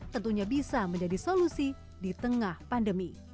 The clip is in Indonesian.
tentunya bisa menjadi solusi di tengah pandemi